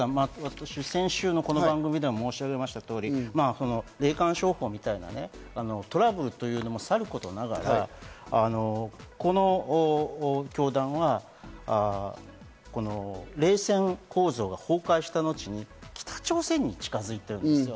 先週の番組でも申し上げた通り、霊感商法みたいなトラブルというのもさることながら、この教団は冷戦構造が崩壊した後に北朝鮮に近づいているんですよ。